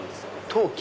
陶器！